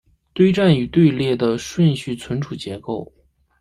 堆栈与队列的顺序存储结构